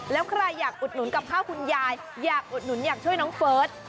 แล้วใครอยากอุดหนุนกับข้าวคุณยายอยากอุดหนุนอยากช่วยน้องเฟิร์ส